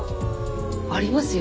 ありますよ